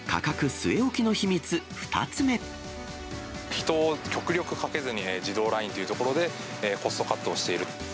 人を極力かけずに、自動ラインというところで、コストカットをしている。